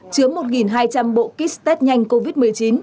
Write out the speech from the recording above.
chứa một hai trăm linh bộ kit test nhanh covid một mươi chín